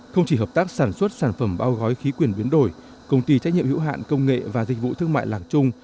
không chỉ hợp tác sản xuất sản phẩm bao gói khí quyển biến đổi công ty trách nhiệm hữu hạn công nghệ và dịch vụ thương mại lạc trung